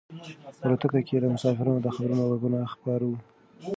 په الوتکه کې د مسافرانو د خبرو غږونه خپاره وو.